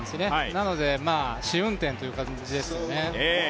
なので試運転という感じですね。